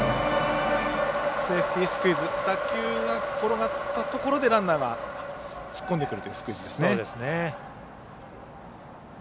セーフティースクイズ打球が転がったところでランナーが突っ込んでくる。